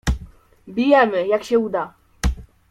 "Bijemy, jak się uda."